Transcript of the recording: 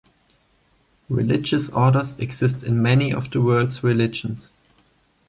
Religious orders exist in many of the world's religions.